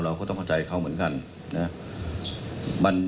เราก็ต้องเข้าใจเขาเหมือนกันนะครับ